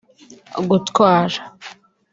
gutwara